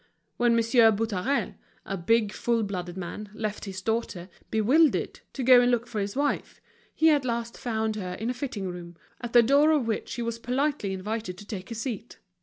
When Monsieur Boutarel, a big, full blooded man, left his daughter, bewildered, to go and look for his wife, he at last found her in a fitting room, at the door of which he was politely invited to take a seat.